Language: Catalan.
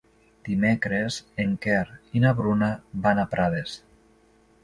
Dimecres en Quer i na Bruna van a Prades.